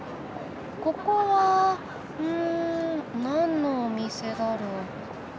ここはうん何のお店だろう？